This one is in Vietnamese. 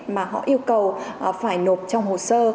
mà họ yêu cầu phải nộp trong hồ sơ